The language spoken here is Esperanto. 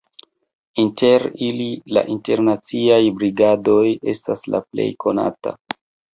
Inter ili la Internaciaj Brigadoj estas la plej konata.